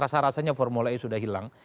rasa rasanya formula e sudah hilang